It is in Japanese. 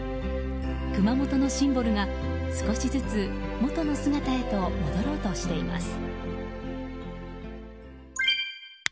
熊本のシンボルが、少しずつ元の姿へと戻ろうとしています。